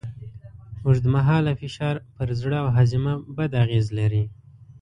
اوږدمهاله فشار پر زړه او هاضمه بد اغېز لري.